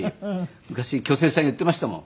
昔巨泉さん言ってましたもん。